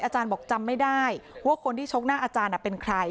อาจารย์บอกจำไม่ได้ว่าคนที่ชกหน้าอาจารย์เป็นใคร